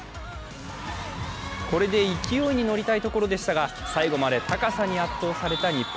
これで勢いに乗りたいところでしたが、最後まで高さに圧倒された日本。